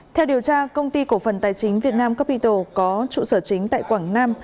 theo điều tra công ty cổ phần tài chính việt nam capital có trụ sở chính tại quảng nam